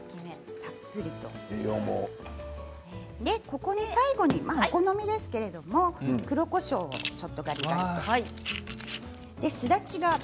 ここに最後にお好みですけれども黒こしょうをちょっとガリガリと。